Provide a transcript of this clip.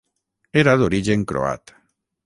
Era d'origen croat.